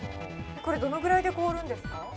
これ、どのぐらいで凍るんですか。